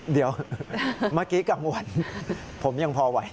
เดี๋ยวเมื่อกี้กลางวันผมยังพอไหว